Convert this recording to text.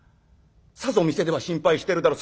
さぞお店では心配してるだろう